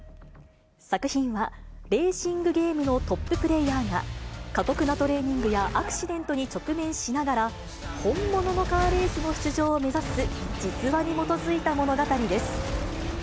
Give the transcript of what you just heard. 作品は、レーシングゲームのトッププレーヤーが、過酷なトレーニングやアクシデントに直面しながら、本物のカーレースの出場を目指す実話に基づいた物語です。